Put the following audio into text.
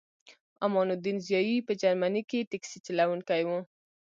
امان الدین ضیایی په جرمني کې ټکسي چلوونکی و